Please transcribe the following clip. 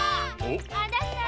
あなた！